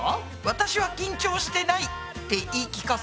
私は緊張してないって言い聞かす。